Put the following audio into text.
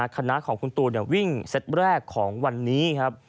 คณะของคุณตูนวิ่งเซตแรกของวันนี้ครับ